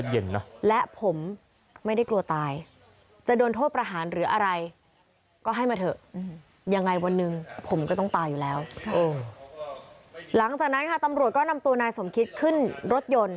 หลังจากนั้นค่ะตำรวจก็นำตัวนายสมคิตขึ้นรถยนต์